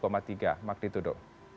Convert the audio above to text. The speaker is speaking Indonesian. mak ditu do